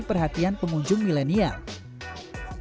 untuk perhatian pengunjung milenial